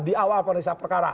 di awal periksa perkara